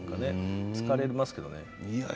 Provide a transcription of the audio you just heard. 疲れますけどね。